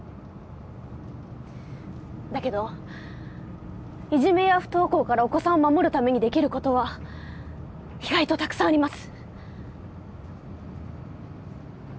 だけどいじめや不登校からお子さんを守るためにできる事は意外とたくさんあります。